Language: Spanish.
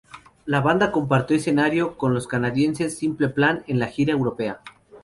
La banda compartió escenario con los canadienses Simple Plan en la gira europea.